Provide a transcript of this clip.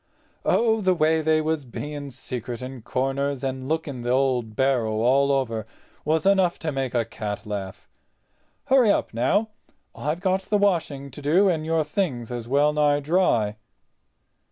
"Oh, the way they was being secret in corners, and looking the old barrow all over was enough to make a cat laugh. Hurry up, now. I've got the washing up to do—and your things is well nigh dry."